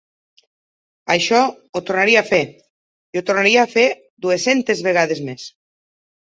Això ho tornaria a fer, i ho tornaria a fer dues-centes vegades més.